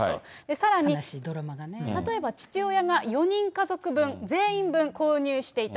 さらに例えば父親が４人家族分、全員分購入していた。